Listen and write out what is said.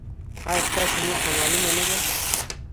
ایا ستاسو موخه معلومه نه ده؟